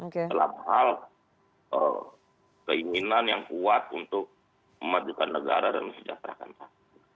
dalam hal keinginan yang kuat untuk memadukan negara dan sejahterakan pasangan